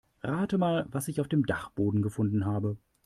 Rate mal, was ich auf dem Dachboden gefunden habe.